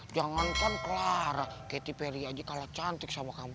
jangankan clara katy perry aja kalah cantik sama kamu